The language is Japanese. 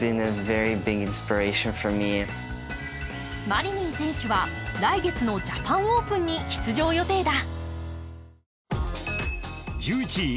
マリニン選手は来月のジャパンオープンに出場予定だ。